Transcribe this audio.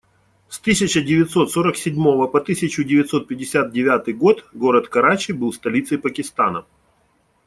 С тысяча девятьсот сорок седьмого по тысячу девятьсот пятьдесят девятый год город Карачи был столицей Пакистана.